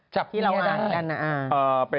ที่เราอานจันทราบ